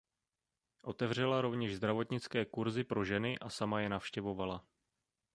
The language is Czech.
Otevřela rovněž zdravotnické kurzy pro ženy a sama je navštěvovala.